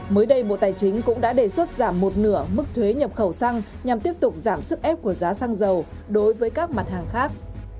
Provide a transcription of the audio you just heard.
mới đây bộ tài chính cũng đã đề xuất giảm một nửa mức thuế nhập khẩu xăng nhằm tiếp tục giảm sức ép của giá xăng dầu đối với các mặt hàng khác